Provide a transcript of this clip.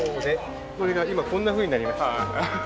これが今こんなふうになりました。